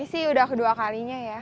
sih udah kedua kalinya ya